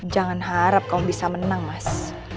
jangan harap kau bisa menang mas